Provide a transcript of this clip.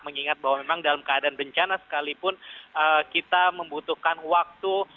mengingat bahwa memang dalam keadaan bencana sekalipun kita membutuhkan waktu